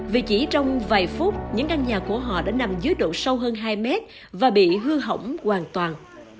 vì chỉ trong vài phút những căn nhà của họ đã nằm dưới độ sâu hơn hai mét và bị hư hỏng hoàn toàn